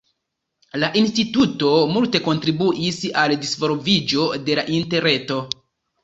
La instituto multe kontribuis al disvolviĝo de la Interreto.